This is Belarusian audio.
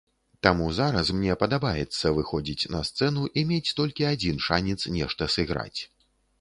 Таму зараз мне падабаецца выходзіць на сцэну і мець толькі адзін шанец нешта сыграць.